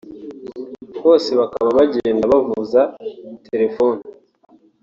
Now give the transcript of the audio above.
hose bakaba bagenda bavuza telefoni